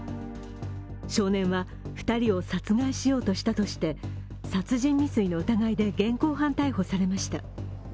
少年は２人を殺害しようとしたとして殺人未遂の疑いで現行犯逮捕されました。